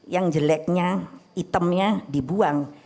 yang jeleknya itemnya dibuang